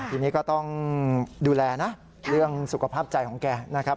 ทีนี้ก็ต้องดูแลนะเรื่องสุขภาพใจของแกนะครับ